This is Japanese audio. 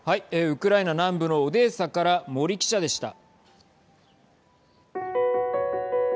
ウクライナ南部のオデーサから森記者でした。